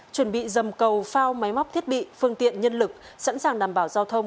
chuẩn bị dầm cầu phao máy móc thiết bị phương tiện nhân lực sẵn sàng đảm bảo giao thông